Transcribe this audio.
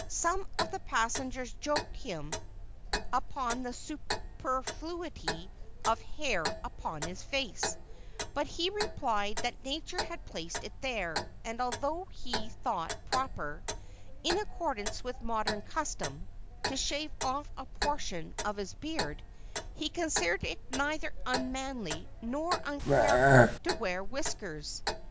Some of the passengers joked him upon the superfluity of hair upon his face, but he replied that nature had placed it there, and although he thought proper, in accordance with modern custom, to shave off a portion of his beard, he considered it neither unmanly nor unclerical to wear whiskers.